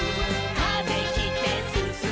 「風切ってすすもう」